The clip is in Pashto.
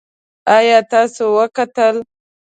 ایا تاسو وګټل؟